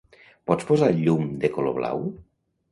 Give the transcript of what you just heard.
Pots posar el llum de color blau?